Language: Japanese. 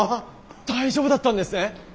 大丈夫だったんですね！？